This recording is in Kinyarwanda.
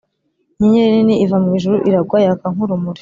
inyenyeri nini iva mu ijuru iragwa yaka nk’urumuri,